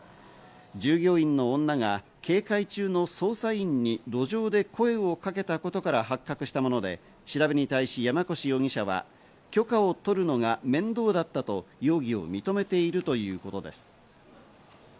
従業員の女が警戒中の捜査員に路上で声をかけたことから発覚したもので、調べに対し、山腰容疑者は、許可を取るのが面倒だったと容疑を認めているということです。